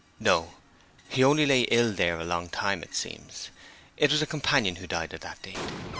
'No; he only lay ill there a long time it seems. It was a companion who died at that date.